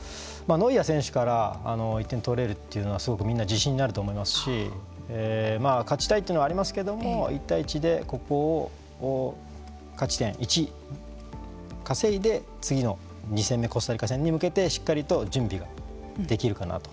ノイアー選手から１点取れるというのはすごくみんな自信になると思いますし勝ちたいというのはありますけれども１対１でここを勝ち点１稼いで次の２戦目コスタリカ戦に向けてしっかりと準備ができるかなと。